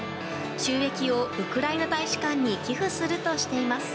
収益をウクライナ大使館に寄付するとしています。